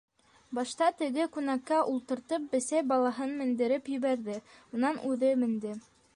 Башта теге күнәккә ултыртып бесәй балаһын мендереп ебәрҙе, унан үҙе менде.